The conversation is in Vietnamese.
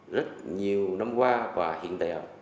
rất nhiều năm qua và hiện tại